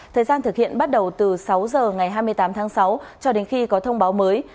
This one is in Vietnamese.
thời gian thực hiện bắt đầu từ sáu h ngày hai mươi tám tháng sáu cho đến khi có thông báo mới